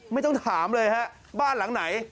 ไม่ต้องถามเลยฮะบ้านหลังไหน